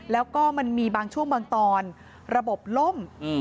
แล้วก็มันมีบางช่วงบางตอนระบบล่ม